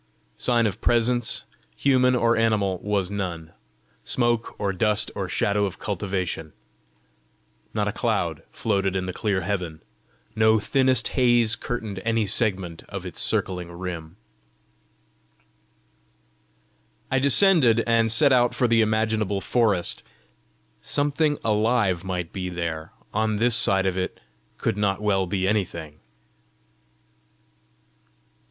Sign of presence, human or animal, was none smoke or dust or shadow of cultivation. Not a cloud floated in the clear heaven; no thinnest haze curtained any segment of its circling rim. I descended, and set out for the imaginable forest: something alive might be there; on this side of it could not well be anything!